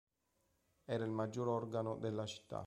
Era il maggior organo della città.